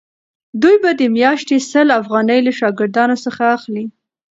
دوی به د میاشتې سل افغانۍ له شاګردانو څخه اخلي.